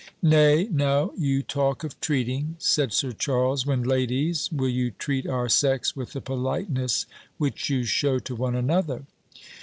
"Nay, now you talk of treating," said Sir Charles, "when, ladies, will you treat our sex with the politeness which you shew to one another?"